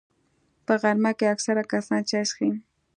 په غرمه کې اکثره کسان چای څښي